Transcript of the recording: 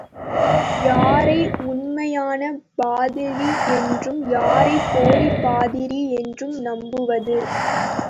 யாரை உண்மையான பாதிரி என்றும் யாரைப் போலிப் பாதிரி என்றும் நம்புவது?